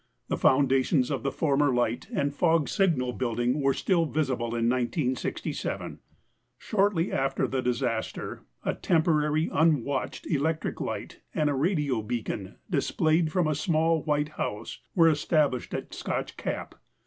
The foundations of the former light and fog signal building were still visible in 1967. (Snow 1955: 279 80; USCG January 15, 1974: p.c.) Shortly after the disaster, a temporary un┬¼ watched electric light and a radio beacon, dis┬¼ played from a small white house, were estab┬¼ lished at Scotch Cap.